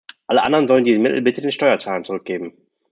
Alle anderen sollen diese Mittel bitte den Steuerzahlern zurückgeben!